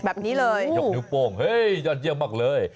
แบบนี้เลยยกนิ้วโป้งเฮ้ยยอดเยี่ยมมากเลย